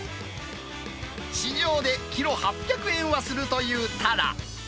市場でキロ８００円はするというタラ。